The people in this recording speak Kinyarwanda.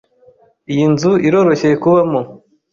Iyi nzu iroroshye kubamo.